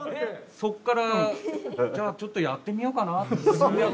そっから「じゃあちょっとやってみようかな」